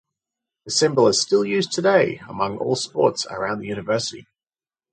The symbol is still used today among all sports around the University.